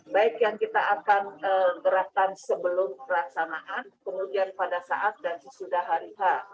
baik yang kita akan gerakkan sebelum pelaksanaan kemudian pada saat dan sesudah hari h